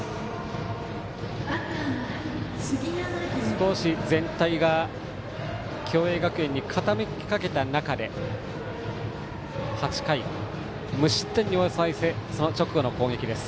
少し全体が共栄学園に傾きかけた中で８回、無失点で抑えてその直後の攻撃です。